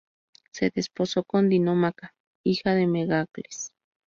Se desposó con Dinómaca, hija de Megacles.